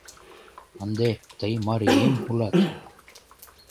Ынде тый марием улат...